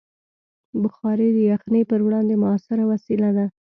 بخاري د یخنۍ پر وړاندې مؤثره وسیله ده.